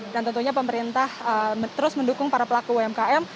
dan tentunya pemerintah terus mendukung para pelaku umkm